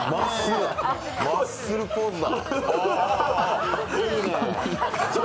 マッスルポーズだ。